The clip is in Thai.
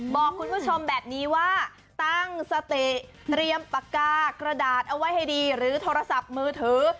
บอกคุณผู้ชมแบบนี้ว่าตั้งสติเตรียมปากกากระดาษเอาไว้ให้ดีหรือโทรศัพท์มือถือ